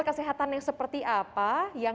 kesehatan yang seperti apa yang